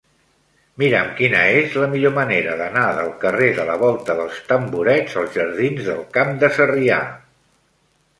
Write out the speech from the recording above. Mira'm quina és la millor manera d'anar del carrer de la Volta dels Tamborets als jardins del Camp de Sarrià.